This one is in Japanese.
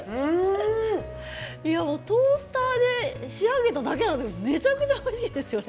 トースターで仕上げただけなんですけどめちゃくちゃおいしいですよね。